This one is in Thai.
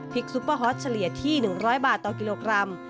ซุปเปอร์ฮอตเฉลี่ยที่๑๐๐บาทต่อกิโลกรัม